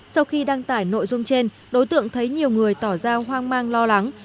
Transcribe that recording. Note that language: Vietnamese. sau khi đăng tải nội dung trên đối tượng thấy nhiều người tỏ ra hoang mang lo lắng